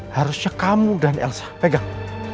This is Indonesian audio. harusnya kamu dan elsa pegang